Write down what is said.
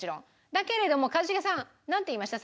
だけれども一茂さんなんて言いました？